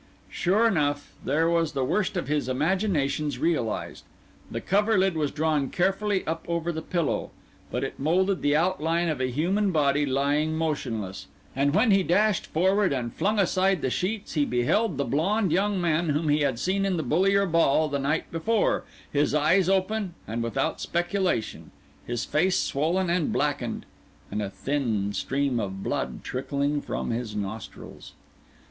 Sure enough, there was the worst of his imaginations realised. The coverlid was drawn carefully up over the pillow, but it moulded the outline of a human body lying motionless; and when he dashed forward and flung aside the sheets, he beheld the blond young man whom he had seen in the Bullier Ball the night before, his eyes open and without speculation, his face swollen and blackened, and a thin stream of blood trickling from his nostrils.